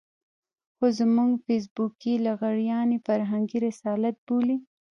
خو زموږ فېسبوکي لغړيان يې فرهنګي رسالت بولي.